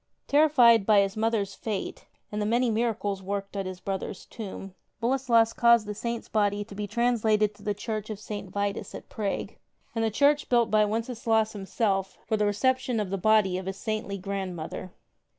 Terrified by his mother's fate and the many miracles worked at his brother's tomb, Boleslas caused the Saint's body tO' be translated to the Church of St. Vitus at Prague, the church built by Wenceslaus himself for the reception of the body of his saintly grandmother.